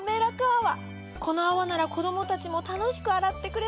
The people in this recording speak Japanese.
この泡なら子供たちも楽しく洗ってくれそう。